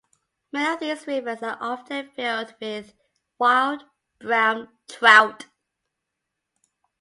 Many of these rivers are often filled with wild brown trout.